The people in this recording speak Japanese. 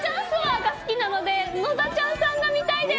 野田ちゃんさんが見たいです。